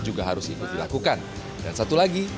juga harus ikut dilakukan dan satu lagi